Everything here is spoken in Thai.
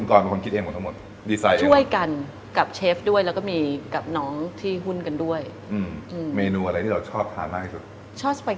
ก็ตรงนี้ดูไม่ออกจริงว่าข้างในมีอะไรบ้างนะครับผม